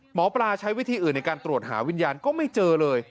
หมอปลาใช้วิธีอื่นในการตรวจหาวิญญาณก็ไม่เจอเลย